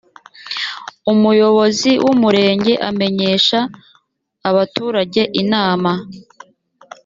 umuyobozi w’umurenge amenyesha abaturage inama.